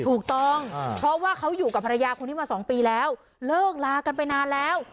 ถูกต้องเพราะว่าเขาอยู่กับภรรยาคนนี้มาสองปีแล้วเลิกลากันไปนานแล้ว